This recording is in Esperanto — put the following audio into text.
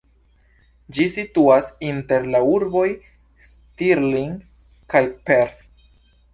Ĝi situas inter la urboj Stirling kaj Perth.